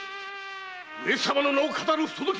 上様の名を騙る不届き者！